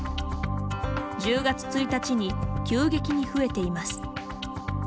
１０月１日に急激に増えています。